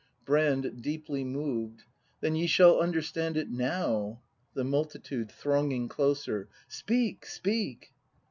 Brand. [Deeply moved.] Then ye shall understand it now! The Multitude. [Thronging closer.] Speak ! Speak